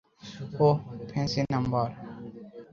Oh, fancy number.